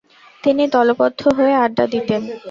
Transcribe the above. তিনি দলবদ্ধ হয়ে আড্ডা দিতেন।